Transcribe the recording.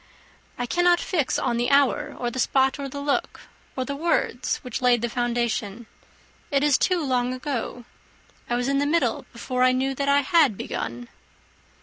"I cannot fix on the hour, or the spot, or the look, or the words, which laid the foundation. It is too long ago. I was in the middle before I knew that I had begun."